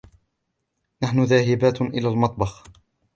نحن ذاهبات إلى المطبخ.